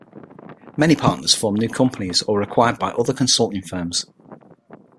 Many partners formed new companies or were acquired by other consulting firms.